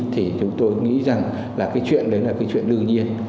thì chúng tôi nghĩ rằng là cái chuyện đấy là cái chuyện đương nhiên